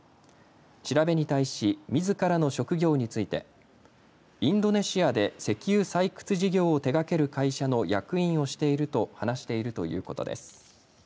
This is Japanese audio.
調べに対しみずからの職業についてインドネシアで石油採掘事業を手がける会社の役員をしていると話しているということです。